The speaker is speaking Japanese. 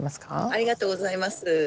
ありがとうございます。